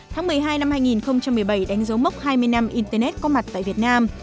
tháng một mươi hai năm hai nghìn một mươi bảy đánh dấu mốc hai mươi năm internet có mặt tại việt nam